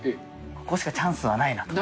ここしかチャンスはないなと。